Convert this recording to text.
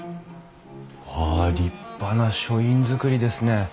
ああ立派な書院造りですね。